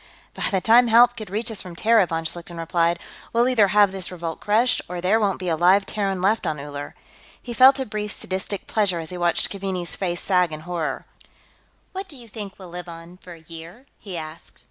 "By the time help could reach us from Terra," von Schlichten replied, "we'll either have this revolt crushed, or there won't be a live Terran left on Uller." He felt a brief sadistic pleasure as he watched Keaveney's face sag in horror. "What do you think we'll live on, for a year?" he asked.